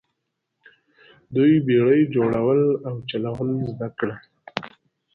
دوی بیړۍ جوړول او چلول زده کړل.